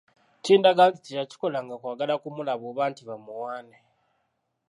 Kindaga nti teyakikolanga kwagala kumulaba oba nti bamuwaane.